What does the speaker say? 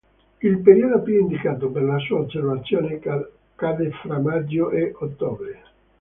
Il periodo più indicato per la sua osservazione cade fra maggio e ottobre.